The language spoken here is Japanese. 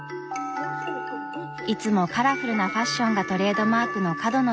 いつもカラフルなファッションがトレードマークの角野さん。